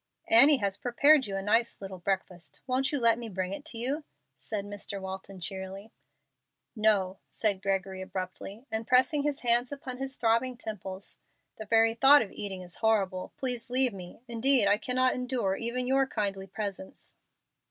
"Annie has prepared you a nice little breakfast. Won't you let me bring it to you?" said Mr. Waiton, cheerily. "No," said Gregory, abruptly, and pressing his hands upon his throbbing temples, "the very thought of eating is horrible. Please leave me. Indeed I cannot endure even your kindly presence."